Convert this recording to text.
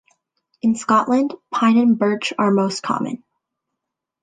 In Scotland, pine and birch are most common.